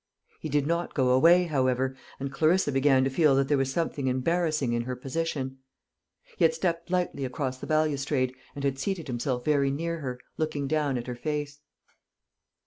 He did not go away however, and Clarissa began to feel that there was something embarrassing in her position. He had stepped lightly across the balustrade, and had seated himself very near her, looking down at her face.